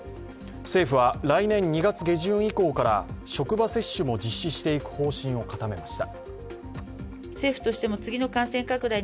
政府は来年２月下旬以降から職場接種も実施していく方針を固めました。